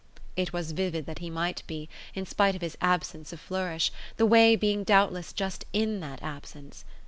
It was vivid that he might be, in spite of his absence of flourish; the way being doubtless just IN that absence.